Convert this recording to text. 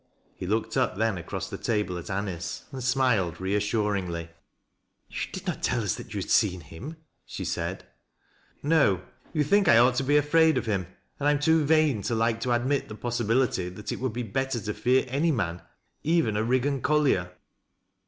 He looked up then across the table at Anice and smiled reassuringly. 190 THAT LASS (f LOWRIWS. " You did not tell us that you had seen hiiri," she said * No. You think I ought to be afraid of him, and 1 am too vain to like to admit the possibility that it would be better to fear any man, even a Riggan collier."